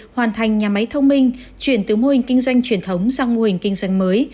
hoàn thành nhà máy thông minh chuyển từ mô hình kinh doanh truyền thống sang mô hình kinh doanh mới